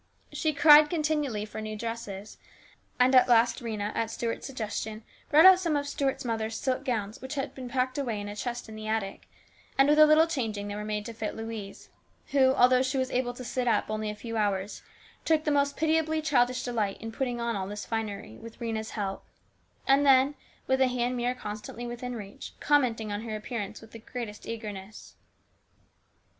She cried continually for new dresses, and at last Rhena, at Stuart's suggestion, brought out some of Stuart's mother's silk gowns which had been packed away in a chest in the attic, and with a little changing they were made to fit Louise, who, although she was able to sit up only a few hours, took the most pitiably childish delight in putting on all this finery, with Rhena's help, and then, with a hand mirror constantly within reach, commenting on her appearance with the greatest eagerness.